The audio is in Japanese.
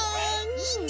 いいね！